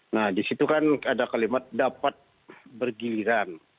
nah disitu kan ada kalimat dapat bergiliran